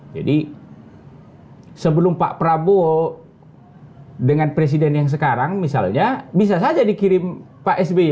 jadi sebelum pak prabowo dengan presiden yang sekarang misalnya bisa saja dikirim pak sby